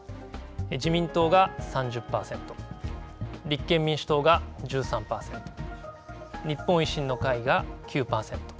自民党が３０％立憲民主党が１３％、日本維新の会が９％。